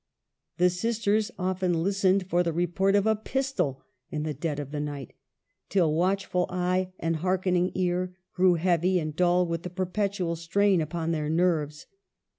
" The sisters often listened for the report of a pistol in the dead of the night, till watchful eye and hearkening ear grew heavy and dull with the perpetual strain upon their nerves.